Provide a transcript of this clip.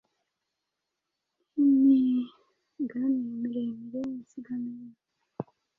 nk’imigani miremire n’insigamigani,